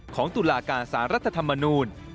ตุลาการสารรัฐธรรมนูล